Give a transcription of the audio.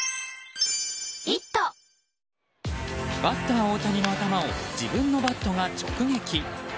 バッター大谷の頭を自分のバットが直撃。